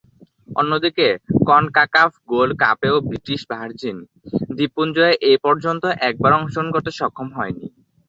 অন্যদিকে, CONCACAF gold কাপেও British Virgin দ্বীপপুঞ্জ এপর্যন্ত একবারও অংশগ্রহণ করতে সক্ষম হয়নি।